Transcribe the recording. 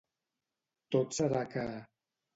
Tot serà que...